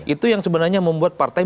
itu yang sebenarnya membuat partai